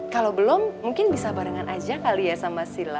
kalau belum mungkin bisa barengan aja kali ya sama sila